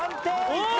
いった！